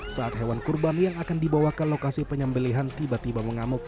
saat hewan kurban yang akan dibawa ke lokasi penyembelihan tiba tiba mengamuk